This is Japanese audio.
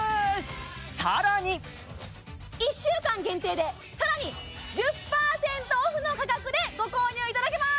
１週間限定でさらに１０％オフの価格でご購入いただけます！